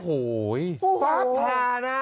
โอ้โหฟ้าผ่านะ